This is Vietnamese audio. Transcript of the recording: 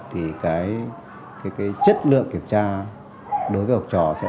thì cái chất lượng kiểm tra đối với học trò sẽ